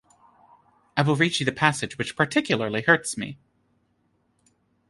I will read you the passage which particularly hurts me.